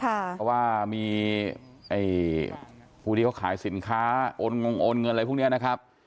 เพราะว่ามีผู้ถูกขายสินค้าโอนเงินอะไรพวกนี้นะครับ